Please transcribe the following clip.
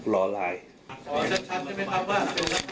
รอไลน์